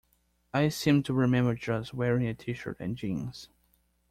I seem to remember just wearing a t-shirt and jeans.